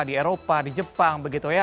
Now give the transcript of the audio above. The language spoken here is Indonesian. di eropa di jepang begitu ya